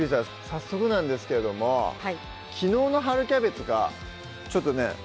早速なんですけどもはい昨日の春キャベツがちょっとね